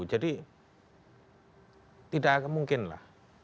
jadi tidak mungkin lah